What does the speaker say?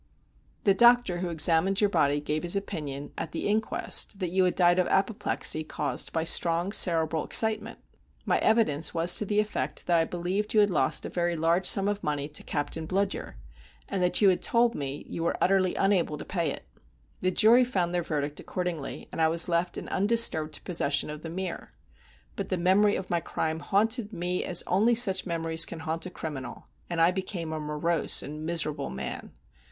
"The doctor who examined your body gave his opinion, at the inquest, that you had died of apoplexy, caused by strong cerebral excitement. My evidence was to the effect that I believed you had lost a very large sum of money to Captain Bludyer, and that you had told me you were utterly unable to pay it. The jury found their verdict accordingly, and I was left in undisturbed possession of The Mere. But the memory of my crime haunted me as only such memories can haunt a criminal, and I became a morose and miserable man.